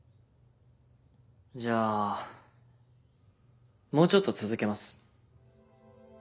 じゃあもうちょっと続けます。